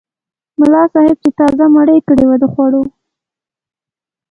ملا صاحب چې تازه یې مړۍ کړې وه د خوړو.